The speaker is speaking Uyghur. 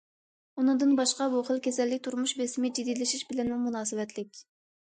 ئۇنىڭدىن باشقا، بۇ خىل كېسەللىك تۇرمۇش بېسىمى، جىددىيلىشىش بىلەنمۇ مۇناسىۋەتلىك.